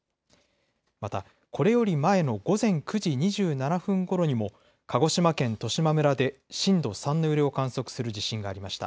またこれより前の午前９時２７分ごろにも鹿児島県十島村で震度３の揺れを観測する地震がありました。